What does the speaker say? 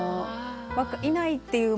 いないっていう